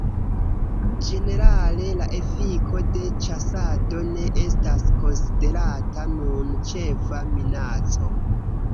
Ĝenerale la efiko de ĉasado ne estas konsiderata nun ĉefa minaco.